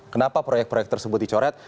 kenapa proyek proyek tersebut dicoret